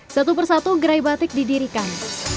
satu persatu gerai batik didirikan